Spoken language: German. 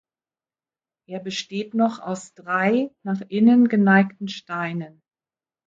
Er besteht noch aus drei nach innen geneigten Steinen.